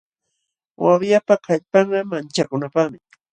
Wawyapa kallpanqa manchakunapaqmi.